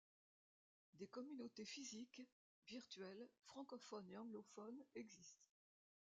Des communautés physiques, virtuelles, francophones et anglophones existent.